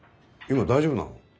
今大丈夫なの？